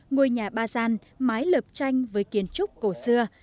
ngôi nhà ba gian mái lập tranh với kiến trúc cổ xưa